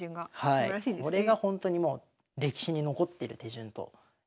これがほんとにもう歴史に残ってる手順といわれてるんですね。